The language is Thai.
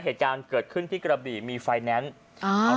เหตุการณ์เกิดขึ้นที่กระบี่มีไฟแนนซ์อ่า